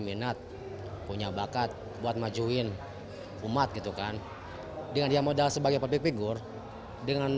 minat punya bakat buat majuin umat gitu kan dengan dia modal sebagai public figure dengan